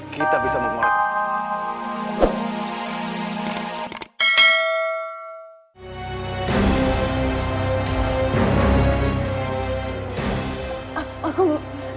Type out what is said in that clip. kita bisa memperlakukan